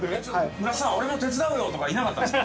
◆村田さん、俺が手伝うよとかいなかったんですか。